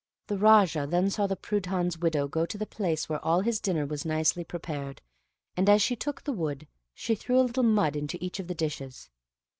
The Raja then saw the Prudhan's widow go to the place where all his dinner was nicely prepared, and, as she took the wood, she threw a little mud into each of the dishes.